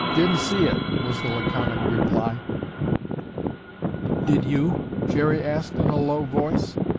Didn't see it!" was the laconic reply. "Did you?" Jerry asked in a low voice.